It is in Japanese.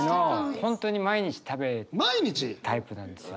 本当に毎日食べるタイプなんですよ。